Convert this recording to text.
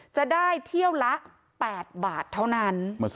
จะได้เที่ยวละ๘บาทเท่านั้น